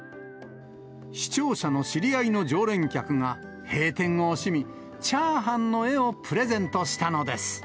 視聴者の知り合いの常連客が、閉店を惜しみ、チャーハンの絵をプレゼントしたのです。